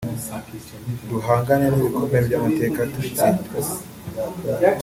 Duhangane n’ibikomere by’amateka tubitsinde